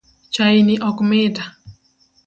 Chai ni ok mita